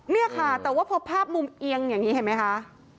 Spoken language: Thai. เนี่ยค่ะแต่ว่าพอภาพมุมเอียงอย่างนี้เห็นไหมคะ